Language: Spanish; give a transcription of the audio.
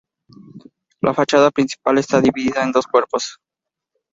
La fachada principal está dividida en dos cuerpos.